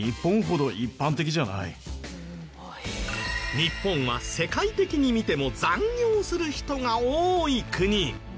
日本は世界的に見ても残業する人が多い国。